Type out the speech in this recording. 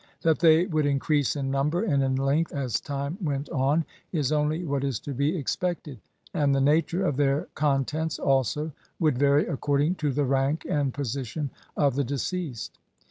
That they would increase in number and in length as time went on is only what is to be ex pected, and the nature of their contents also would vary according to the rank and position of the de ceased.